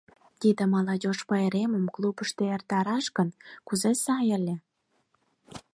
Тиде молодежь пайремым клубышто эртараш гын, кузе сай ыле.